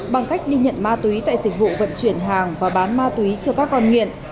bằng cách đi nhận ma túy tại dịch vụ vận chuyển hàng và bán ma túy cho các con nghiện